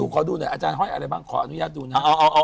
ขอดูหน่อยอาจารย์ห้อยอะไรบ้างขออนุญาตดูนะ